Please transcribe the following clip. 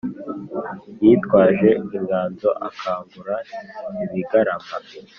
Yitwaje inganzo akangura ibigarama